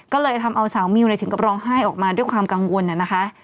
ก็เลยทำเอาสาวมิวถึงกับร้องไห้ออกมาด้วยความกังวลนะคะ